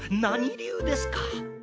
何流ですか？